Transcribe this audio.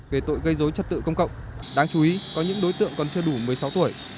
về tội gây dối trật tự công cộng đáng chú ý có những đối tượng còn chưa đủ một mươi sáu tuổi